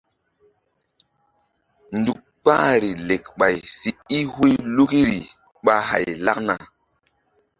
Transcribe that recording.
Nzuk kpahri lekɓay si i huy lukiri ɓa hay lakna.